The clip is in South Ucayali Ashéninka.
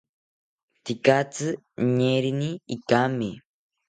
Tekatzi ñeerini ikami